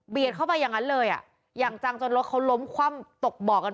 เข้าไปอย่างนั้นเลยอ่ะอย่างจังจนรถเขาล้มคว่ำตกบ่อกัน